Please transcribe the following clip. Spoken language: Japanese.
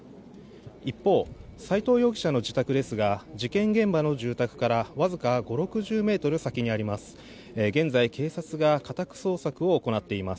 一方、斎藤容疑者の自宅ですが事件現場の住宅からわずか５０６０ｍ先にあります。